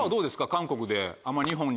韓国で。